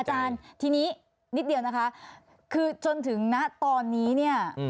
อาจารย์ทีนี้นิดเดียวนะคะคือจนถึงณตอนนี้เนี่ย